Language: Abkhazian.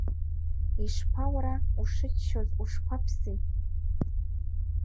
Ишԥа уара, ушыччоз ушԥаԥси?